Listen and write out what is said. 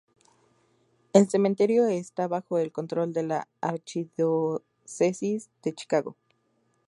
El cementerio está bajo el control de la Archidiócesis de Chicago.